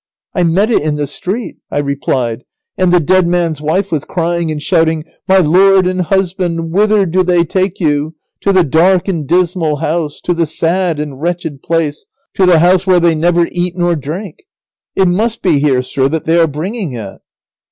"I met it in the street," I replied, "and the dead man's wife was crying and shouting, 'My lord and husband, whither do they take you, to the dark and dismal house, to the sad and wretched place, to the house where they never eat nor drink.' It must be here, sir, that they are bringing it."